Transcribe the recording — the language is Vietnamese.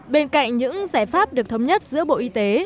bên cạnh những giải pháp được thống nhất giữa bộ y tế